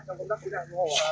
trong công tác trên đại dục hồ